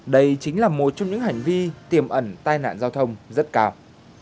đây chính là một trong những hành vi tiềm ẩn tai nạn giao thông rất cao